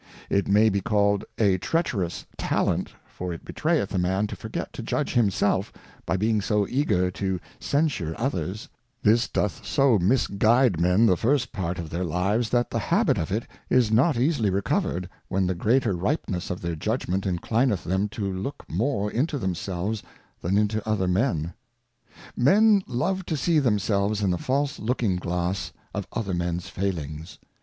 It may be called a treacherous Talent, for it betrayeth a Man to forget to judge himself, by being so eager to censure others : This doth so misguide Men the first Part of their Lives, that the Habit of it is not easily recovered, when the greater Ripeness of their Judgment inclineth them to look more into themselves than into other Men. Men love to see themselves in the false Looking glass of other 5 Mens Failings.